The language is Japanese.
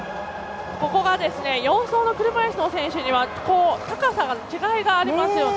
ここが４走の車いすの選手は高さの違いがありますよね。